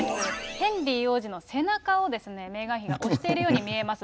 ヘンリー王子の背中をメーガン妃が押しているように見えます。